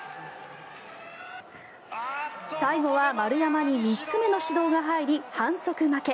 最後は丸山に３つ目の指導が入り反則負け。